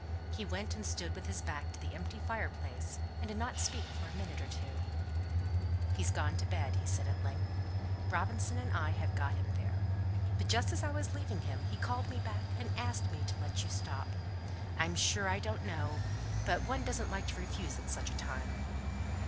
He went and stood with his back to the empty fireplace, and did not speak for a minute or two. "He's gone to bed," said he at length. "Robinson and I have got him there. But just as I was leaving him he called me back and asked me to let you stop. I'm sure I don't know but one doesn't like to refuse at such a time."